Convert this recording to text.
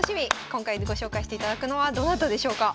今回ご紹介していただくのはどなたでしょうか？